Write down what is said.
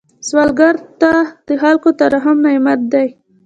سوالګر ته د خلکو ترحم نعمت دی